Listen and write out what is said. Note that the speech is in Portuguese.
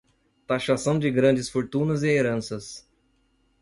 Taxação de grandes fortunas e heranças